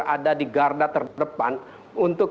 ada di garda terdepan untuk